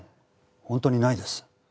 本当にないです。